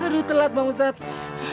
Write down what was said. aduh telat bang ustadz